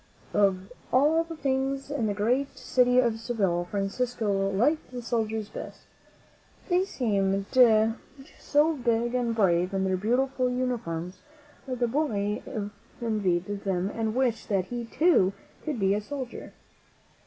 Of all the things in the great city of Seville, Francisco liked the soldiers best. They seemed so big and brave in their beautiful uniforms, and the boy envied them and wished that he, too, could be a soldier.